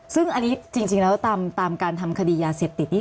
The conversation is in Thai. ซึ่งอันนี้จริงแล้วตามการทำคดียาเสพติดนี่